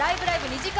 ２時間